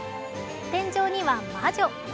天井には魔女。